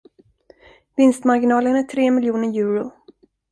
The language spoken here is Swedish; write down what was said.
Vinstmarginalen är tre miljoner euro!